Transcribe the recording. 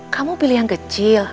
kamu pilih yang kecil